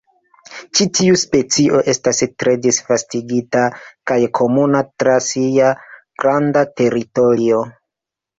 Tiu ĉi specio estas tre disvastigita kaj komuna tra sia granda teritorio.